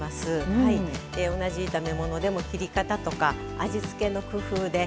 同じ炒め物でも切り方とか味付けの工夫で。